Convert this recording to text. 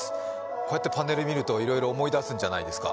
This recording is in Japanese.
こうやってパネル見るといろいろ思い出すんじゃないですか？